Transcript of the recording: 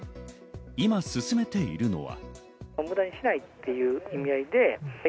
今進めているのは。